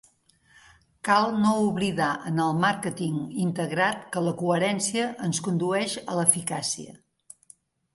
Cal no oblidar en el màrqueting integrat que la coherència ens condueix a l'eficàcia.